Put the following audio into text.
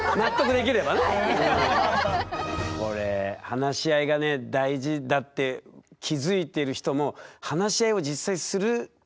これ話し合いがね大事だって気付いてる人も話し合いを実際する時に。